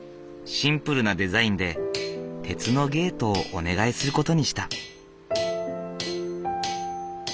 シンプルなデザインで鉄のゲートをお願いする事にした。